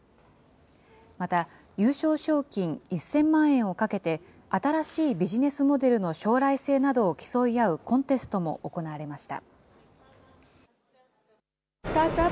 また、優勝賞金１０００万円をかけて、新しいビジネスモデルの将来性などを競い合うコンテストも行われました。